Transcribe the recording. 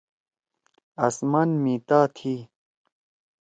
آسمان می تا تھی۔